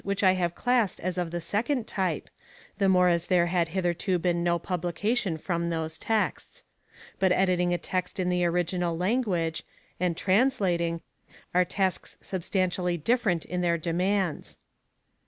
which I have classed as of the second Type, the more as there had hitherto been no publication from those texts. But editing a text in the original language, and translating, are tasks substantially different in their demands.